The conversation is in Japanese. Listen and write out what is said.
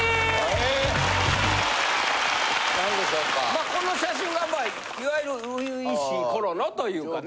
まあこの写真がいわゆる初々しい頃のというかね。